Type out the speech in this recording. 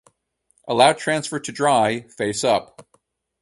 Allow transfer to dry, face up.